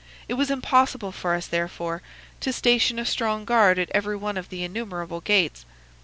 It was impossible for us, therefore, to station a strong guard at every one of the innumerable gates.